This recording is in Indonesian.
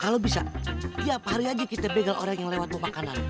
kalau bisa tiap hari aja kita begal orang yang lewat pemakanan